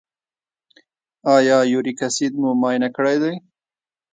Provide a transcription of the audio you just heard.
ایا یوریک اسید مو معاینه کړی دی؟